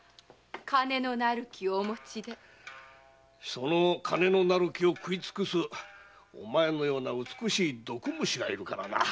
その金の成る木を食いつくすお前のような美しい毒虫がいるからな。